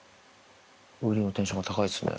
ウリのテンションが高いっすね。